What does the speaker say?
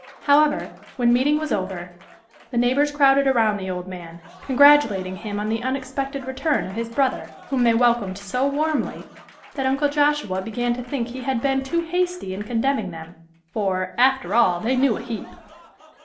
However, when meeting was over, the neighbors crowded around the old man, congratulating him on the unexpected return of his brother, whom they welcomed so warmly that Uncle Joshua began to think he had been too hasty in condemning them, for "after all, they knew a heap."